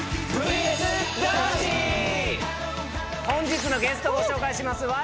本日のゲストご紹介します。